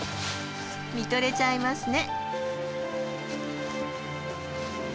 見とれちゃいますね。